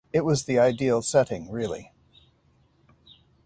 It was the ideal setting really.